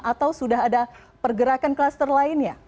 atau sudah ada pergerakan klaster lainnya